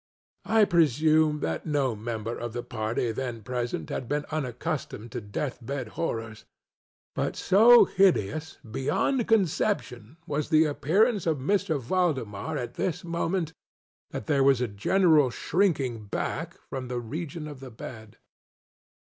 I presume that no member of the party then present had been unaccustomed to death bed horrors; but so hideous beyond conception was the appearance of M. Valdemar at this moment, that there was a general shrinking back from the region of the bed.